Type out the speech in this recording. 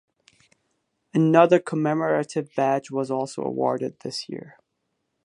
Another commemorative badge was also awarded in this year.